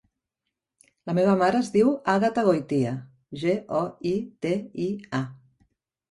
La meva mare es diu Àgata Goitia: ge, o, i, te, i, a.